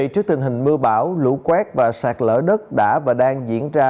trước tình hình mưa bão lũ quét và sạt lở đất đã và đang diễn ra